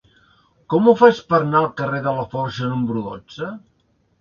Com ho faig per anar al carrer de Laforja número dotze?